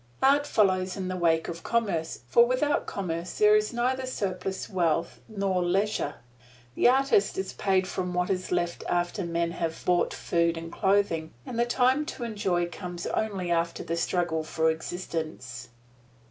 Art follows in the wake of commerce, for without commerce there is neither surplus wealth nor leisure. The artist is paid from what is left after men have bought food and clothing; and the time to enjoy comes only after the struggle for existence.